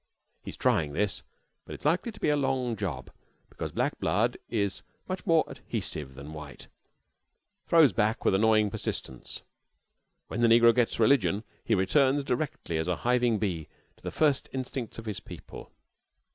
He is trying this, but it is likely to be a long job, because black blood is much more adhesive than white, and throws back with annoying persistence. When the negro gets religion he returns directly as a hiving bee to the first instincts of his people.